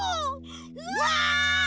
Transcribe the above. うわ！